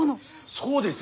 そうです。